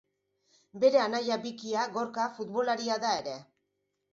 Bere anai bikia Gorka futbolaria da ere.